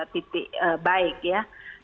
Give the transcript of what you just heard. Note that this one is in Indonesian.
titik baik ya